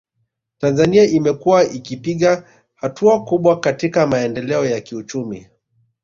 Tanzania imekuwa ikipiga hatua kubwa katika maendeleo ya kiuchumi